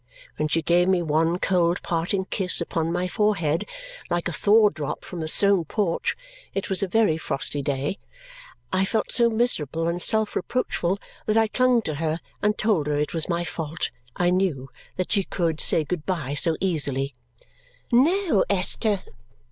When she gave me one cold parting kiss upon my forehead, like a thaw drop from the stone porch it was a very frosty day I felt so miserable and self reproachful that I clung to her and told her it was my fault, I knew, that she could say good bye so easily! "No, Esther!"